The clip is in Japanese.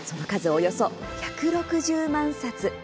およそ１６０万冊。